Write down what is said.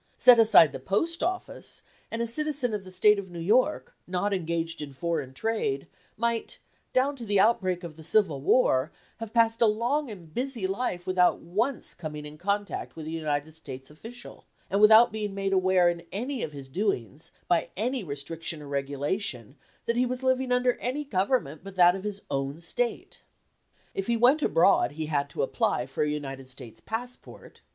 Set aside the post office, and a citizen of the State of New York, not engaged in foreign trade, might, down to the outbreak of the Civil War, have passed a long and busy life without once coming in contact with a United States official, and without being made aware in any of his doings, by any restriction or regulation, that he was living under any government but that of his own State. If he went abroad he had to apply for a United States passport.